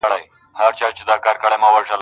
جار د صحاباو نه شم دومره بختور دي چي